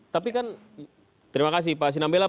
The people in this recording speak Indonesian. tapi kan terima kasih pak sinambela